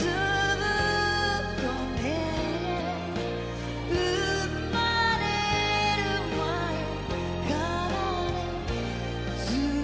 うん。